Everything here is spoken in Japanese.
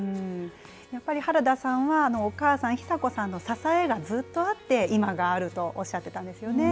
やっぱり原田さんは、お母さん、ヒサ子さんの支えがずっとあって、今があるとおっしゃってたんですよね。